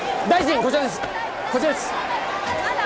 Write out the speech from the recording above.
こちらです。